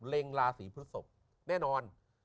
ราศีพฤศพแน่นอน